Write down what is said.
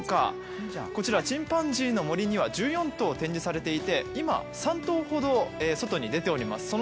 こちら、チンパンジーの森には１４頭展示されていて今、３頭ほど外に出ております。